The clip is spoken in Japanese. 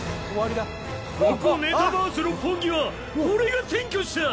ここメタバース六本木は俺が占拠した！